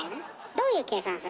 どういう計算するの？